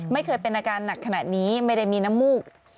ไม่เคยเป็นอาการหนักขนาดนี้ไม่ได้มีน้ำมูก